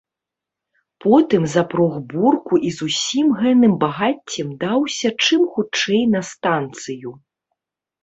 Потым запрог бурку і з усім гэным багаццем даўся чым хутчэй на станцыю.